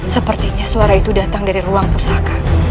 sepertinya suara itu datang dari ruang pusaka